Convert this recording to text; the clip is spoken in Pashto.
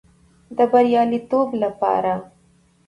د بریالیتوب لپاره